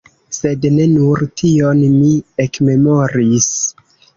Sed ne nur tion mi ekmemoris.